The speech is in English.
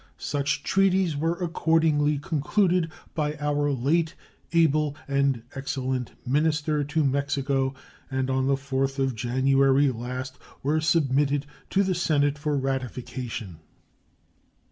Such treaties were accordingly concluded by our late able and excellent minister to Mexico, and on the 4th of January last were submitted to the Senate for ratification.